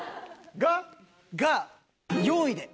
が？が４位で。